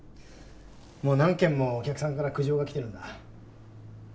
もう何件もお客さんから苦情が来てるんだ。